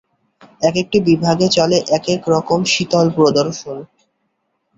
একেকটি বিভাগে চলে একেক রকম ‘শীতল প্রদর্শন’।